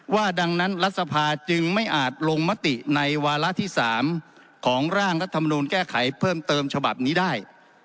ดังนั้นรัฐสภาจึงไม่อาจลงมติในวาระที่๓ของร่างรัฐมนูลแก้ไขเพิ่มเติมฉบับนี้ได้